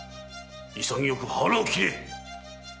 潔く腹を切れ！